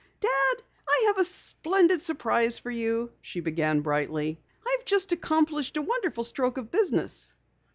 "Dad, I have a splendid surprise for you," she began brightly. "I've just accomplished a wonderful stroke of business!"